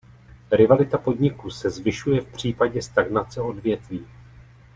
Rivalita podniků se zvyšuje v případě stagnace odvětví.